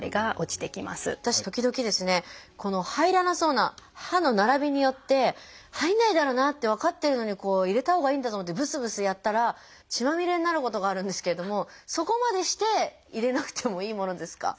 私時々ですね入らなそうな歯の並びによって入んないだろうなって分かってるのに入れたほうがいいんだと思ってぶすぶすやったら血まみれになることがあるんですけれどもそこまでして入れなくてもいいものですか？